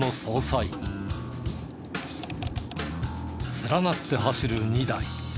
連なって走る２台。